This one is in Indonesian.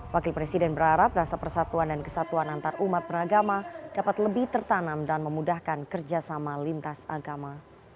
wakil presiden berharap rasa persatuan dan kesatuan antarumat beragama dapat lebih tertanam dan memudahkan kerjasama lintas agama